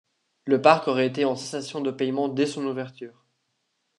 Le parc aurait été en cessation de paiement dès son ouverture.